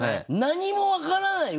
何も分からない